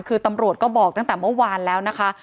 คือตำรวจก็บอกตั้งแต่เมื่อวานแล้วนะคะ